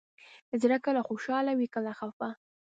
زړه کله خوشحاله وي، کله خفه.